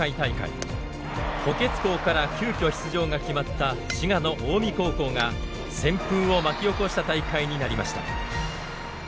補欠校から急きょ出場が決まった滋賀の近江高校が旋風を巻き起こした大会になりました。